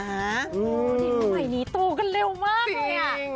อ๋อที่ไหนนี้โตกันเร็วมากเนี่ย